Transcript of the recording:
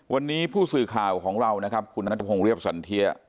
วันนี้ผู้สื่อข่าวของเรานะครับคุณนัทพงศ์เรียบสันเทีย